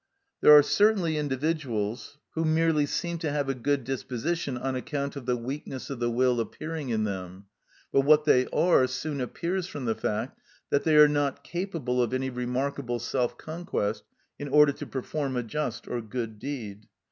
There are certainly individuals who merely seem to have a good disposition on account of the weakness of the will appearing in them, but what they are soon appears from the fact that they are not capable of any remarkable self conquest in order to perform a just or good deed.